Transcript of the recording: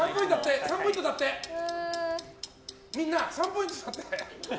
みんな、３ポイントだって！